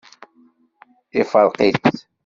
Ifṛeq-itt.